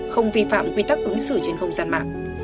không vi phạm quy tắc ứng xử trên không gian mạng